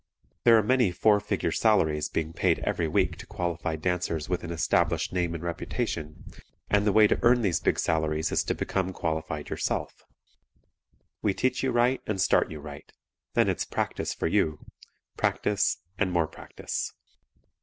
There are many four figure salaries being paid every week to qualified dancers with an established name and reputation, and the way to earn these big salaries is to become qualified yourself. We teach you right and start you right then it's practice for you; practice and more practice.